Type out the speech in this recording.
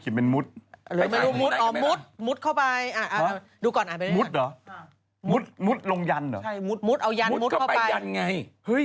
บนดินเลยเหรอ